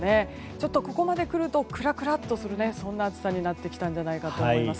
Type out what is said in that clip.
ちょっとここまでくるとクラクラとするそんな暑さになってきたんじゃないかと思います。